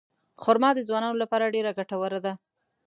خرما د ځوانانو لپاره ډېره ګټوره ده.